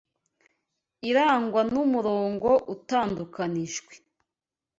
Irangwa numurongo utandukanijwe;